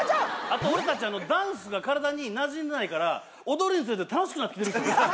あと俺達ダンスが体になじんでないから踊るにつれて楽しくなってきてるんですよ